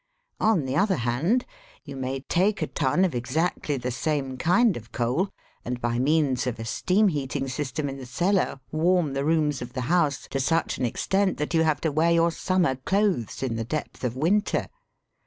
On the other hand, you may take a ton of exactly the same kind of coal and by means of a. steam heating system in the cellar warm the rooms of the house to such an extent that you have to wear your summer clothes in the depth of winter.